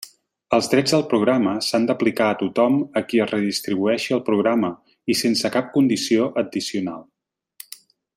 Els drets del programa s'han d'aplicar a tothom a qui es redistribueixi el programa i sense cap condició addicional.